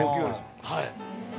はい。